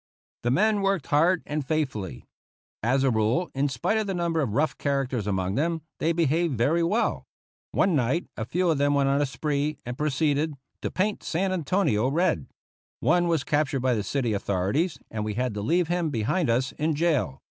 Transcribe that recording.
The men worked hard and faithfully. As a rule, in spite of the number of rough characters among them, they behaved very well. One night a few of them went on a spree, and proceeded 44 TO CUBA '* to paint San Antonia red." One was captured by the city authorities, and we had to leave him behind us in jail.